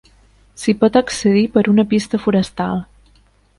S'hi pot accedir per una pista forestal.